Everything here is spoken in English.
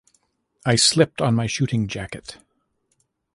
I slipped on my shooting jacket.